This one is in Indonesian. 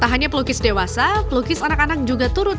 tak hanya pelukis dewasa pelukis anak anak juga turut